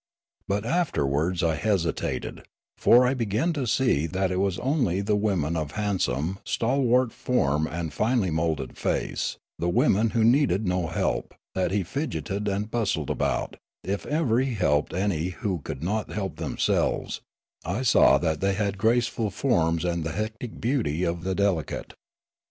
But afterwards I hesitated, for I began to see that it was only the women of handsome, stalwart form and finely moulded face, the women who needed no help, that he fidgeted and bustled about ; if ever he helped any who could not help themselves, I saw that they had graceful forms and the hectic beauty of the delicate.